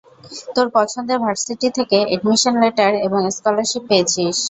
তোর পছন্দের ভার্সিটি থেকে এডমিশন লেটার এবং স্কলারশিপ পেয়েছিস।